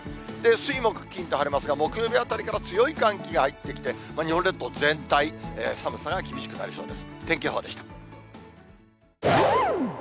水、木、金と晴れますが、木曜日あたりから強い寒気が入ってきて、日本列島全体、寒さが厳しくなりそうです。